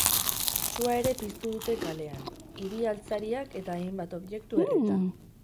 Sua ere piztu dute kalean, hiri-altzariak eta hainbat objektu erreta.